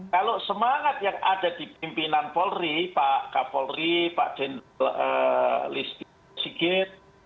kalau semangat yang ada di pimpinan polri pak kapolri pak jenderal listi sigit